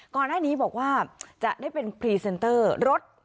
ก่อนหน้านี้บอกว่าจะได้เป็นพรีเซนเตอร์รถ